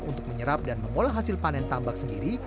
untuk menyerap dan mengolah hasil panen tambak sendiri